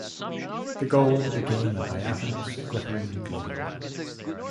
The gold became a diaphanous, glittering globe.